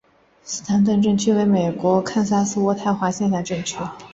斯坦顿镇区为美国堪萨斯州渥太华县辖下的镇区。